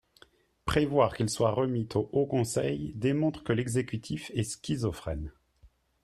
Prévoir qu’il soit remis au Haut Conseil démontre que l’exécutif est schizophrène